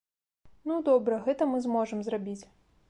Ну, добра, гэта мы зможам зрабіць.